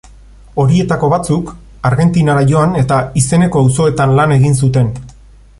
Horietako batzuk Argentinara joan eta izeneko auzoetan lan egin zuten.